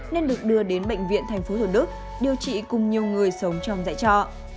nên được đưa đến bệnh viện tp thủ đức điều trị cùng nhiều người sống trong dạy trọ